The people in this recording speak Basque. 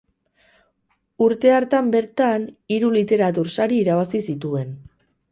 Urte hartan bertan hiru literatur sari irabazi zituen.